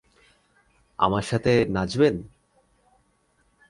আমার সাথে নাচবেন?